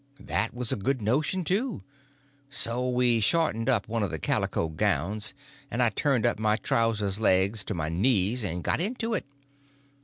That was a good notion, too. So we shortened up one of the calico gowns, and I turned up my trouser legs to my knees and got into it.